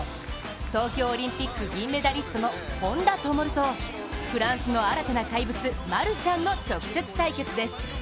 東京オリンピック・銀メダリストの本多灯とフランスの新たな怪物マルシャンの直接対決です。